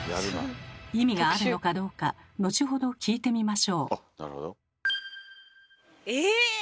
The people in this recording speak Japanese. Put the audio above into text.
意味があるのかどうか後ほど聞いてみましょう。